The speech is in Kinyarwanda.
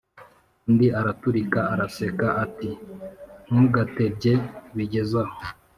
Undi araturika araseka ati"ntugatebye bigezaho"